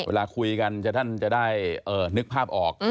เวลาคุยกันท่านจะได้นึกภาพออก